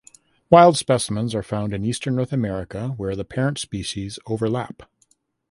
Wild specimens are found in eastern North America where the parent species overlap.